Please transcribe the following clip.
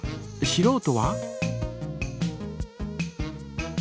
しろうとは？